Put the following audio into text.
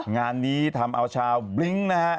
งานนี้ทำเอาชาวบลิ้งนะฮะ